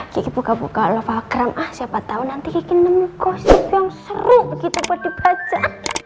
kiki buka buka lovagram ah siapa tau nanti kiki nemu gosip yang seru gitu buat dibaca